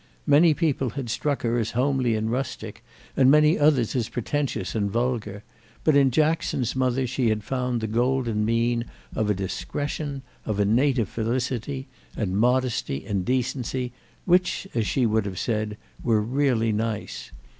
Many people had struck her as homely and rustic and many others as pretentious and vulgar; but in Jackson's mother she had found the golden mean of a discretion, of a native felicity and modesty and decency, which, as she would have said, were really nice.